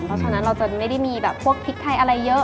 เพราะฉะนั้นเราจะไม่ได้มีแบบพวกพริกไทยอะไรเยอะ